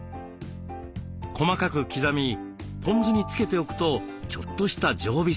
細かく刻みポン酢につけておくとちょっとした常備菜に。